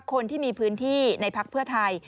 คนที่มีพื้นที่ในพักเพื่อไทย